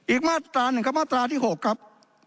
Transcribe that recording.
อีกมาตราหนึ่งครับมาตราที่๖ครับ